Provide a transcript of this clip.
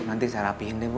nanti saya rapihin deh bu